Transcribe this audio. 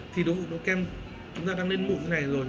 thì đối với kem chúng ta đang lên mụn như này rồi